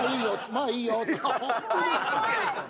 「まあいいよ」っつって。